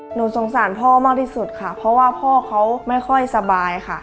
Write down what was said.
หนูสงสารพ่อมากที่สุดค่ะเพราะว่าพ่อเขาไม่ค่อยสบายค่ะ